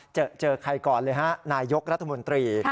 เจอใครก่อนเลยฮะนายกรัฐมนตรี